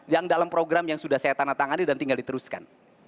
yang dalam program yang sudah saya tanda tangani dan tinggal diteruskan